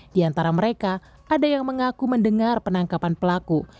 di antara mereka ada yang mengaku mendengar penangkapan pelaku